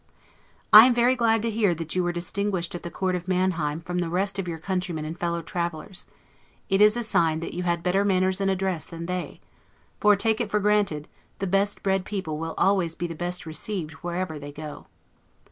I am very glad to hear that you were distinguished at the court of Manheim from the rest of your countrymen and fellow travelers: it is a sign that you had better manners and address than they; for take it for granted, the best bred people will always be the best received wherever they go.